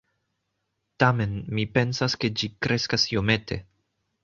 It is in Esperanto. Tamen, mi pensas, ke ĝi kreskas iomete